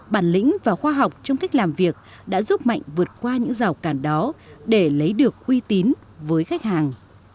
bản lĩnh và khoa học trong cách làm việc đã giúp mạnh vượt qua những rào cản đó để lấy được uy tín với khách hàng